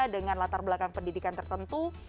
dengan latar belakang pendidikan tertentu